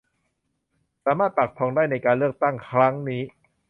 สามารถปักธงได้ในการเลือกตั้งครั้งนี้